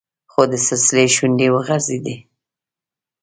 خو د سلسلې شونډې وځړېدې.